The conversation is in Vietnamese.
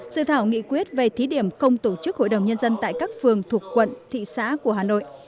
dự thảo nghị quyết về thí điểm không tổ chức hội đồng nhân dân tại các phường thuộc quận thị xã của hà nội